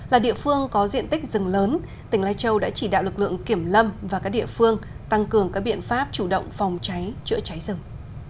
là địa phương có diện tích rừng lớn tỉnh lai châu đã chỉ đạo lực lượng kiểm lâm và các địa phương tăng cường các biện pháp chủ động phòng cháy chữa cháy rừng